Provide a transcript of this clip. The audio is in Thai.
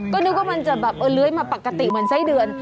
ก็นึกว่ามันจะแบบเลื้อยมาปกติเหมือนไส้เดือน